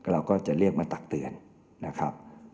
เราก็จะเรียกมาตักเตือนนะครับ